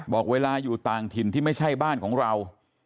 บอกเวลาอยู่ต่างถิ่นที่ไม่ใช่บ้านของเรา